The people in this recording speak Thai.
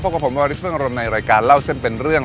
กับผมวาริสเฟิ่งอารมณ์ในรายการเล่าเส้นเป็นเรื่อง